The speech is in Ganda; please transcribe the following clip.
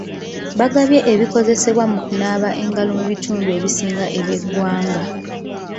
Bagabye ebikozesebwa mu kunaaba engalo mu bitundu ebisinga eby'eggwanga.